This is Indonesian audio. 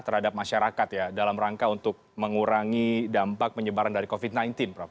terhadap masyarakat ya dalam rangka untuk mengurangi dampak penyebaran dari covid sembilan belas prof